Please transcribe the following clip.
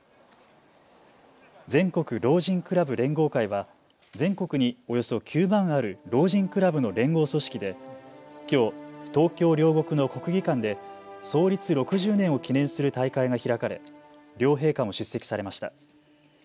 全国老人クラブ連合会は全国におよそ９万ある老人クラブの連合組織できょう、東京両国の国技館で創立６０年を記念する大会が開かれ両陛下も出席されました。